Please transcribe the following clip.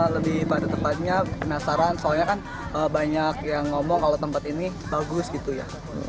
lebih pada tempatnya penasaran soalnya kan banyak yang ngomong kalau tempat ini bagus gitu ya